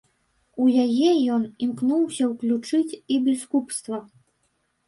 У яе ён імкнуўся ўключыць і біскупства.